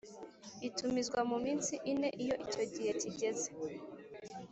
itumizwa mu minsi ine Iyo icyo gihe kigeze